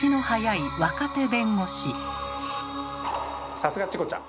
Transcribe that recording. さすがチコちゃん。